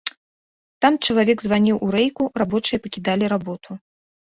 Там чалавек званіў у рэйку, рабочыя пакідалі работу.